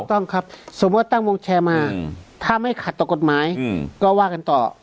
ต้องครับสมมุติตั้งวงแชร์มาถ้าไม่ขัดต่อกฎหมายก็ว่ากันต่อ